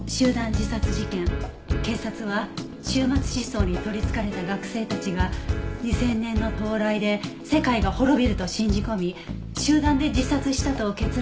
警察は終末思想に取りつかれた学生たちが２０００年の到来で世界が滅びると信じ込み集団で自殺したと結論づけたけど。